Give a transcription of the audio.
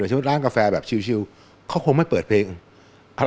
ชุดร้านกาแฟแบบชิวเขาคงไม่เปิดเพลงอัน